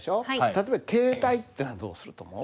例えば「携帯」ってのはどうすると思う？